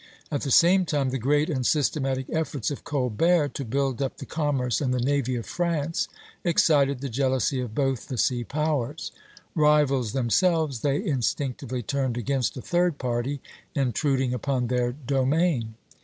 At the same time the great and systematic efforts of Colbert to build up the commerce and the navy of France excited the jealousy of both the sea powers; rivals themselves, they instinctively turned against a third party intruding upon their domain.